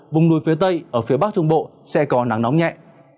vùng núi phía tây ở phía bắc trung bộ sẽ có nắng nóng nhẹ